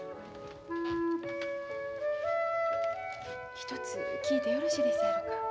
一つ聞いてよろしいですやろか？